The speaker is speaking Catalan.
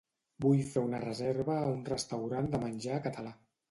Vull fer una reserva a un restaurant de menjar català